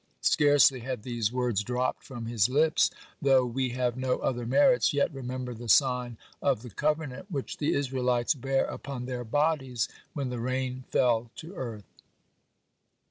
Scarcely had these words dropped from his lips, "Though we have no other merits, yet remember the sign of the covenant which the Israelites bear upon their bodies," when the rain fell to earth.